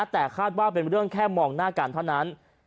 แต่คาดว่าเป็นเรื่องแค่มองหน้ากันเท่านั้น